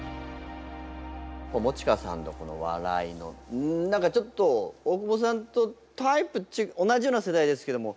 友近さんのこの笑いの何かちょっと大久保さんとタイプ同じような世代ですけども。